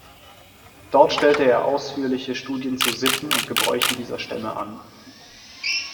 Dort stellte er ausführliche Studien zu Sitten und Gebräuchen dieser Stämme an.